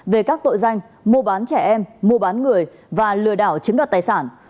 về các tội danh mua bán trẻ em mua bán người và lừa đảo chiếm đoạt tài sản